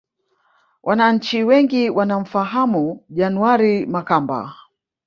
Wananchi wengi wanamfahamu January Makamba